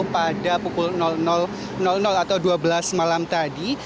pada pukul atau dua belas malam tadi